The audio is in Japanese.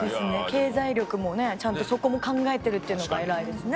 経済力もねちゃんとそこも考えてるっていうのが偉いですね。